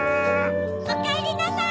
おかえりなさい！